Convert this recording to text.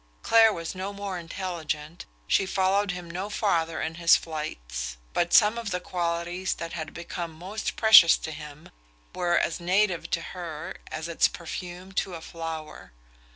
Clare was no more intelligent, she followed him no farther in his flights; but some of the qualities that had become most precious to him were as native to her as its perfume to a flower.